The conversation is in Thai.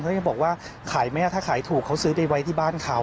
เขายังบอกว่าขายแม่ถ้าขายถูกเขาซื้อไปไว้ที่บ้านเขา